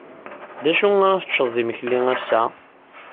D acu ara teččed d imekli ass-a?